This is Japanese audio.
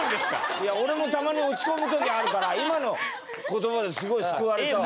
いや俺もたまに落ち込む時あるから今の言葉ですごい救われたわ。